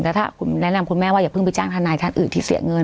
แต่ถ้าคุณแนะนำคุณแม่ว่าอย่าเพิ่งไปจ้างทนายท่านอื่นที่เสียเงิน